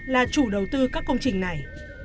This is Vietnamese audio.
là chủ đầu tư các công trình này